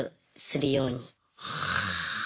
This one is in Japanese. はあ！